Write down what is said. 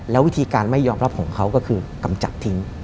แล้ววิธีการไม่ยอมรับของเขาก็คือกำจัดทิ้ง